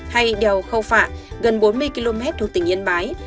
hay đèo khâu phạ gần bốn mươi km thuộc tỉnh yên bái